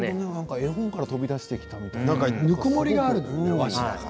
絵本から飛び出してきたみたい。